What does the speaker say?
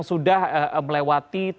karena kalau kemarin